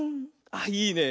あっいいね。